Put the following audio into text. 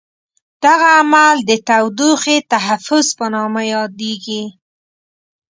دغه عمل د تودوخې تحفظ په نامه یادیږي.